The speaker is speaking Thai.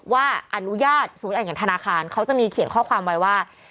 ว่าอนุญาตสมมุติอย่างธนาคารเขาจะมีเขียนข้อความไว้ว่า